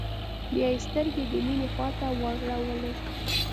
بيا يې سترګې د مينې خواته واړولې.